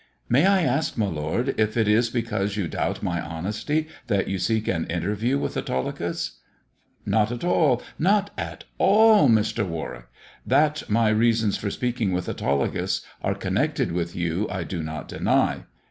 "May I ask, my lord, if it is because you doubt my honesty that you se^k an interview with Autolycus 1 "" Not at all, not at all, Mr. Warwick. That my reasons for speaking with Autolycus are connected with you I do not deny.